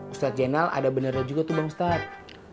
ustadz zainal ada beneran juga tuh bang ustadz